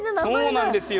そうなんですよ。